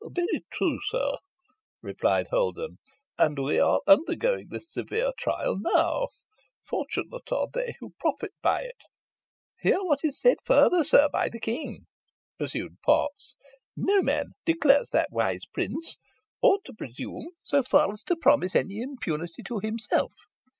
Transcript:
'" "Very true, sir," replied Holden. "And we are undergoing this severe trial now. Fortunate are they who profit by it!" "Hear what is said further, sir, by the king," pursued Potts. "'No man,' declares that wise prince, 'ought to presume so far as to promise any impunity to himself.'